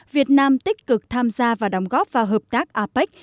việt nam tích cực tham gia và đóng góp vào hợp tác apec